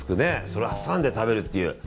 それを挟んで食べるっていう。